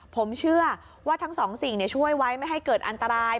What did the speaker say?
ผมเชื่อว่าทั้งสองสิ่งช่วยไว้ไม่ให้เกิดอันตราย